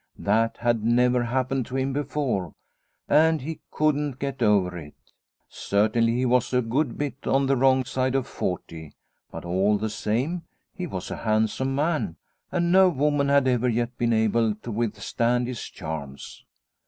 That had never happened to him before, and he couldn't get over it. Certainly he was a good bit on the wrong side of forty, but all the same N 178 Liliecrona's Home he was a handsome man, and no woman had ever yet been able to withstand his charms.